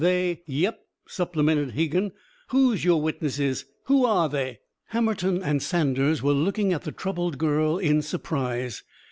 They " "Yep!" supplemented Hegan. "Who's your witnesses? Who are they?" Hammerton and Saunders were looking at the troubled girl in surprise.